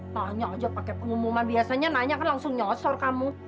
tanya aja pakai pengumuman biasanya nanya kan langsung nyosor kamu